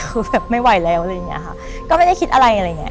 คือแบบไม่ไหวแล้วอะไรอย่างเงี้ยค่ะก็ไม่ได้คิดอะไรอะไรอย่างเงี้